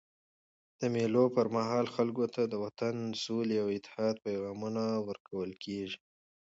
د مېلو پر مهال خلکو ته د وطن، سولي او اتحاد پیغامونه ورکول کېږي.